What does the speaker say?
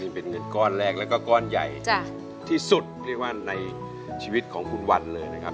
เป็นเงินก้อนแรกแล้วก็ก้อนใหญ่ที่สุดเรียกว่าในชีวิตของคุณวันเลยนะครับ